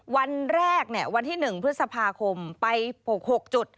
วันแรกวันที่๑พฤษภาคมไป๖๖จุด